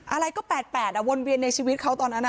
อะไรก็๘๘วนเวียนในชีวิตเขาตอนนั้น